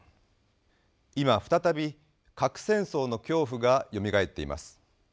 今再び核戦争の恐怖がよみがえっています。